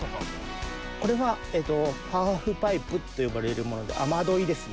これは「ハーフパイプ」と呼ばれるもので雨どいですね。